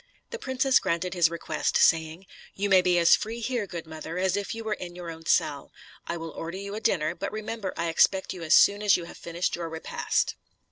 The princess granted his request, saying, "You may be as free here, good mother, as if you were in your own cell: I will order you a dinner, but remember I expect you as soon as you have finished your repast."